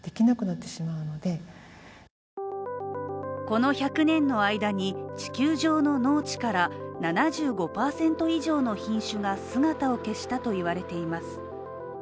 この１００年の間に地球上の農地から７５％以上の品種が姿を消したと言われています